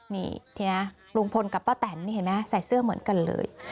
นี่ทีนะลุงพลกับป้าแตนใส่เสื้อเหมือนกันเลย